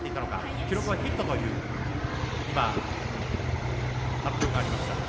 記録はヒットという発表がありました。